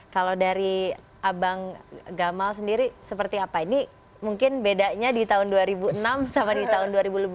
kalau dari abang gamal sendiri seperti apa ini mungkin bedanya di tahun dua ribu enam sama di tahun dua ribu lima